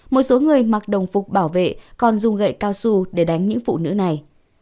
một số người mặc đồng phục bảo vệ còn dùng gậy cao su để đánh những phụ nữ này